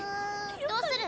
どうする？